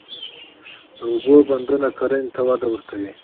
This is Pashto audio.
د اوبو بندونه کرنې ته وده ورکوي.